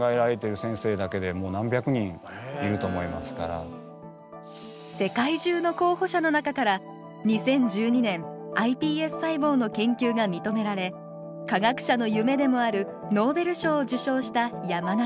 わたしの時は世界中の候補者の中から２０１２年ｉＰＳ細胞の研究がみとめられ科学者の夢でもあるノーベル賞を受賞した山中教授。